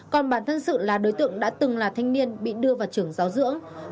còn bản thân sự là đối tượng đã từng là thanh niên bị đưa vào trường giáo dưỡng